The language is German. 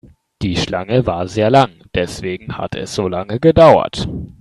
Die Schlange war sehr lang, deswegen hat es so lange gedauert.